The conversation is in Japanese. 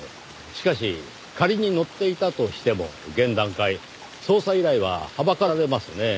しかし仮に乗っていたとしても現段階捜査依頼ははばかられますねぇ。